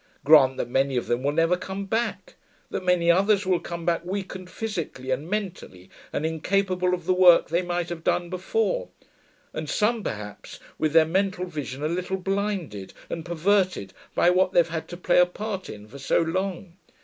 Grant that many of them will never come back, that many others will come back weakened physically and mentally and incapable of the work they might have done before, and some perhaps with their mental vision a little blinded and perverted by what they've had to play a part in for so long.